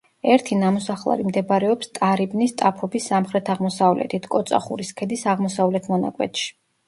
ერთი ნამოსახლარი მდებარეობს ტარიბნის ტაფობის სამხრეთაღმოსავლეთით, კოწახურის ქედის აღმოსავლეთ მონაკვეთში.